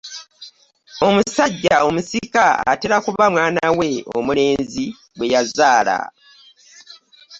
Omusajja omusika atera kuba mwana we omulenzi gwe yazaala.